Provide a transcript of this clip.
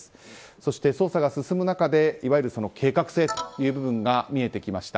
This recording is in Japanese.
そして、捜査が進む中でいわゆる計画性という部分が見えてきました。